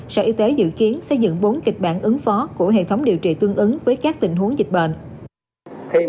sở y tế dự kiến xây dựng bốn kịch bản ứng phó của hệ thống điều trị tương ứng với các tình huống dịch bệnh